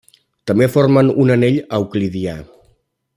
També formen un anell euclidià.